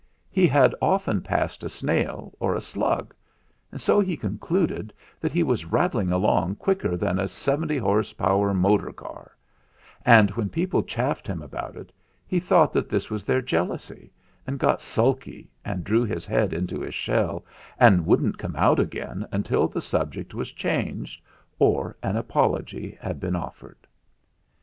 He had often passed a snail or a slug, and so he concluded that he was rattling along quicker than a seventy horse power motor car; and when people chaffed him about it, he thought that this was their jealousy, and 144 THE FLINT HEART got sulky and drew his head into his shell, and wouldn't come out again until the subject was changed or an apology had been offered.